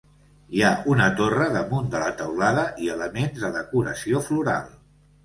Hi ha una torre damunt de la teulada i elements de decoració floral.